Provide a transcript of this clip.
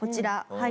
はい。